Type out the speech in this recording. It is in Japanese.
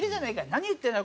「何言ってんだ？